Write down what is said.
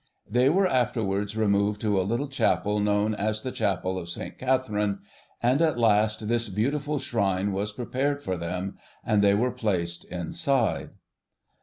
They were afterwards removed to a little chapel known as the Chapel of St. Catherine, and at last this beautiful shrine was prepared for them, and they were placed inside.